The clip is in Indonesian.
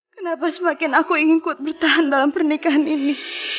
kenapa semakin aku ingin ikut bertahan dalam pernikahan ini